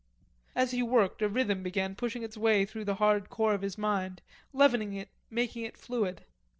As he worked a rhythm began pushing its way through the hard core of his mind, leavening it, making it fluid.